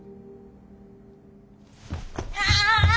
ああ！